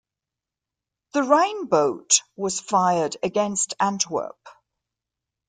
The Rheinbote was fired against Antwerp.